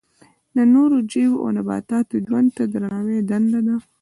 د نورو ژویو او نباتاتو ژوند ته درناوی دنده ده.